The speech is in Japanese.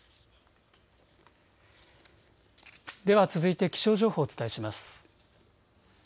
では続いて気象情報をお伝えします。